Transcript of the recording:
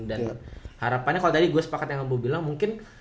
dan harapannya kalo tadi gue sepakat yang mau bilang mungkin